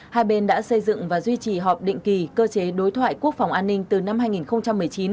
hai bên đã xây dựng và duy trì họp định kỳ cơ chế đối thoại quốc phòng an ninh từ năm hai nghìn một mươi chín